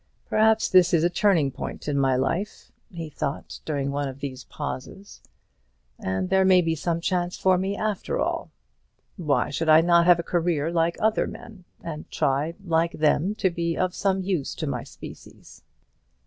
"Perhaps this is a turning point in my life," he thought during one of these pauses; "and there may be some chance for me after all. Why should I not have a career like other men, and try like them to be of some use to my species?